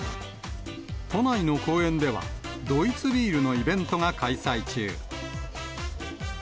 都内の公園では、ドイツビールのイベントが開催中。